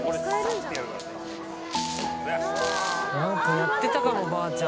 やってたかも、ばあちゃん。